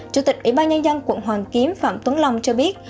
chủ tịch ủy ban nhân dân quận hoàn kiếm phạm tuấn long cho biết